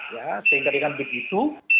ya sehingga dengan begitu